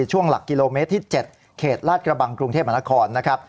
ช่วงหลักกิโลเมตรที่๗เขตลาดกระบังกรุงเทพมหานครนะครับ